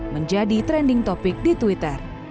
menjadi trending topic di twitter